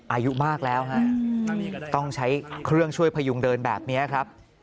อายุมากแล้วฮะต้องใช้เครื่องช่วยพยุงเดินแบบนี้ครับ